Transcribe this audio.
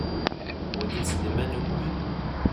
Wagi d Sliman U Muḥ?